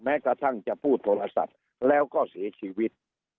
แม้กระทั่งจะพูดโทรศัพท์แล้วก็เสียชีวิต